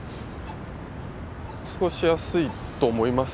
過ごしやすいと思います。